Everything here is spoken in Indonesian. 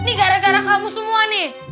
ini gara gara kamu semua nih